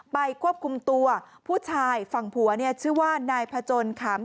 ควบคุมตัวผู้ชายฝั่งผัวชื่อว่านายพจนขาม